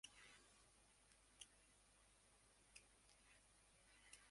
তিনি নিজস্ব একটি বাউল সঙ্গীতের দল প্রতিষ্ঠা করেন।